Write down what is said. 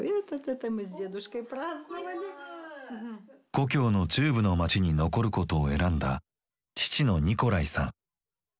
故郷の中部の街に残ることを選んだ父のニコライさん。